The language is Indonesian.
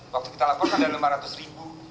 waktu kita laporkan ada lima ratus ribu